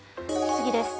次です。